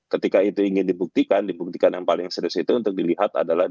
ketika itu ingin dibuktikan dibuktikan yang paling serius itu untuk dilihat adalah